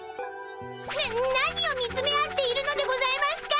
な何を見つめ合っているのでございますか！